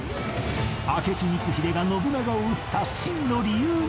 明智光秀が信長を討った真の理由に迫る！